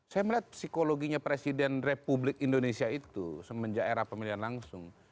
saya melihat psikologinya presiden republik indonesia itu semenjak era pemilihan langsung